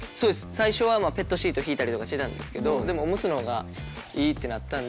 最初はペットシート敷いたりとかしてたんですけどでもオムツの方がいいってなったんで。